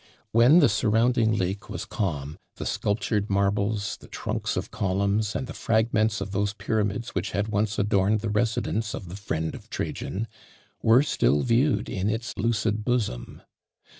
When the surrounding lake was calm, the sculptured marbles, the trunks of columns, and the fragments of those pyramids which had once adorned the residence of the friend of Trajan, were still viewed in its lucid bosom.